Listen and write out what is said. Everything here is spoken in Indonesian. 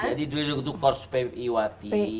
jadi dulu duduk kursi piwati